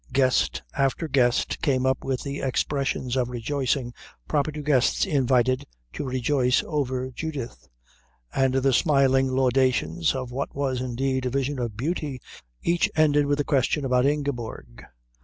Guest after guest came up with the expressions of rejoicing proper to guests invited to rejoice over Judith, and the smiling laudations of what was indeed a vision of beauty each ended with a question about Ingeborg.